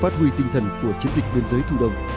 phát huy tinh thần của chiến dịch biên giới thu đông